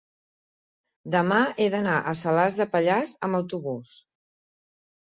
demà he d'anar a Salàs de Pallars amb autobús.